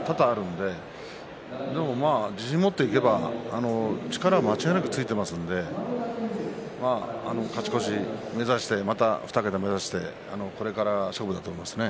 でも自信を持っていけば力は間違いなくついていますので勝ち越しを目指してまた２桁を目指してこれから勝負だと思いますね。